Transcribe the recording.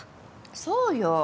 そうよ。